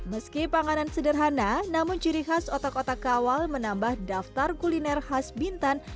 meski panganan sederhana namun ciri khas otak otak kawal menambah daftar kuliner khas bintan